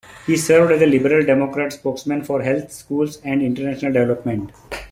He served as a Liberal Democrat spokesman for Health, Schools and International Development.